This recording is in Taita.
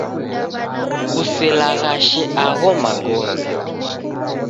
Kuselaghashe agho magome.